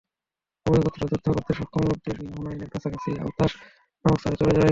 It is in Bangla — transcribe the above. উভয় গোত্র যুদ্ধ করতে সক্ষম লোকদের নিয়ে হুনাইনের কাছাকাছি আওতাস নামক স্থানে চলে যায়।